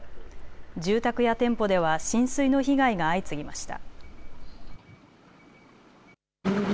住宅や店舗では浸水の被害が相次ぎました。